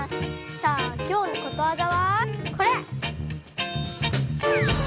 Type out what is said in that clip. さあ今日のことわざはこれ！